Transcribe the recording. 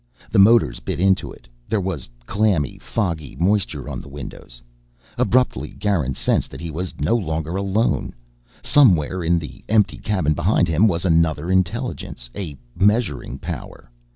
The motors bit into it. There was clammy, foggy moisture on the windows. Abruptly Garin sensed that he was no longer alone. Somewhere in the empty cabin behind him was another intelligence, a measuring power.